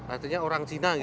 artinya orang cina gitu ya